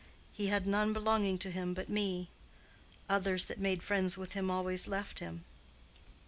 He had none belonging to him but me. Others that made friends with him always left him."